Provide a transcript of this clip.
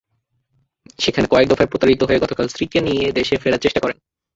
সেখানে কয়েক দফায় প্রতারিত হয়ে গতকাল স্ত্রীকে নিয়ে দেশে ফেরার চেষ্টা করেন।